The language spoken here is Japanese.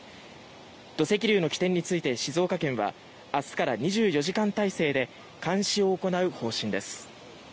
土石流の起点について静岡県は明日から２４時間体制で監視を行う方針です。